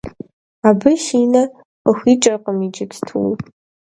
Абы си нэ къыхуикӀыркъым иджыпсту.